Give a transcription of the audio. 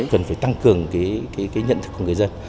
cần phải tăng cường cái nhận thức của người dân